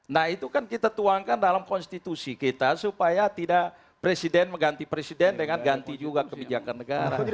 nah itu kan kita tuangkan dalam konstitusi kita supaya tidak presiden mengganti presiden dengan ganti juga kebijakan negara